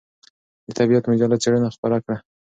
د طبعیت مجله څېړنه خپره کړه.